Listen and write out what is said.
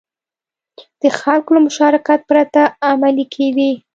د خلکو له مشارکت پرته عملي کېدې.